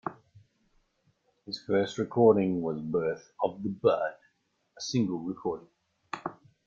His first recording was "Birth of the Budd", a single recording.